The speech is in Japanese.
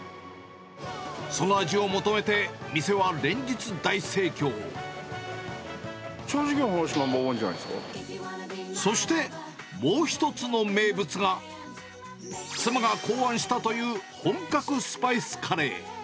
その味を求めて、正直な話、そして、もう一つの名物が、妻が考案したという本格スパイスカレー。